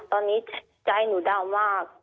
ตอนนี้ใจหนูดำมาก